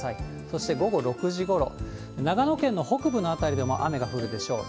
そして午後６時ごろ、長野県の北部の辺りでも雨が降るでしょう。